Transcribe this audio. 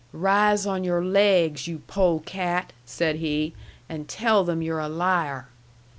"Rise on your laigs, you polecat," said he, "and tell them you're a liar."